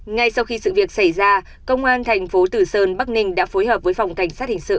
ngay sau khi sự việc xảy ra công an thành phố tử sơn bắc ninh đã phối hợp với phòng cảnh sát hình sự